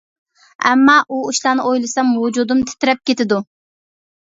ئەمما ئۇ ئىشلارنى ئويلىسام ۋۇجۇدۇم تىترەپ كېتىدۇ.